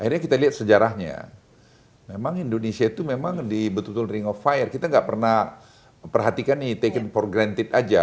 akhirnya kita lihat sejarahnya memang indonesia itu memang di betul betul ring of fire kita nggak pernah perhatikan nih taken for granted aja